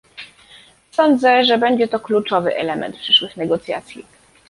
Sądzę, że będzie to kluczowy element przyszłych negocjacji